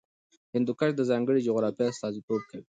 هندوکش د ځانګړې جغرافیې استازیتوب کوي.